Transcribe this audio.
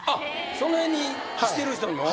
その辺に来てる人にも？